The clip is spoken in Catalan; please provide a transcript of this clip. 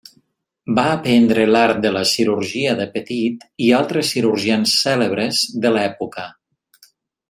Va aprendre l'art de la cirurgia de Petit i altres cirurgians cèlebres de l'època.